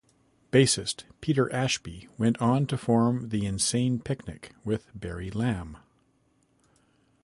Bassist Peter Ashby went on to form the insane picnic with Barry Lamb.